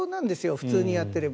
普通にやっていれば。